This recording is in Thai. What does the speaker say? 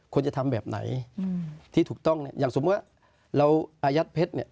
ควรจะทำแบบไหนที่ถูกต้องเนี่ยอย่างสมมุติว่าเราอายัดเพชรเนี่ย